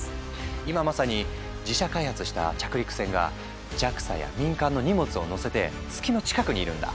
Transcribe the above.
今まさに自社開発した着陸船がＪＡＸＡや民間の荷物を載せて月の近くにいるんだ。